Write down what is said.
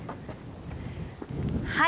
はい。